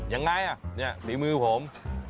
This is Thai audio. ยังไงนี่ฝีมือผม